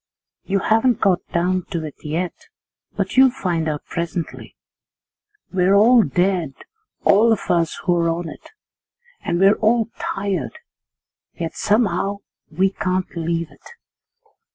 You haven't got down to it yet, but you'll find out presently. 'We're all dead, all of us who're on it, and we're all tired, yet somehow we can't leave it.